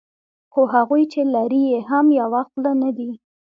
خو هغوی چې لري یې هم یوه خوله نه دي.